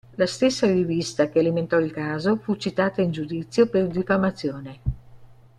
La stessa rivista che alimentò il caso fu citata in giudizio per diffamazione.